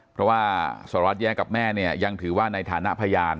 เพราะว่าสวรรค์แย้กับแม่ยังถือว่าในฐานะพยาน